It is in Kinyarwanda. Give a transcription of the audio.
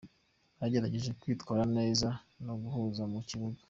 bagerageje kwitwara neza no guhuza mu kibuga.